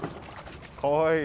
かわいい。